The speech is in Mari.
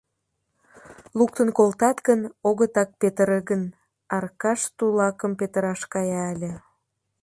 Луктын колтат гын, огытак петыре гын, Аркаш ту лакым петыраш кая ыле.